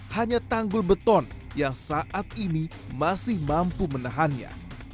hanya tanggul beton yang saat ini masih mampu menahannya